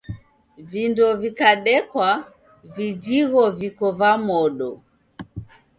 Vindo vikadekwa vijhigho viko va modo.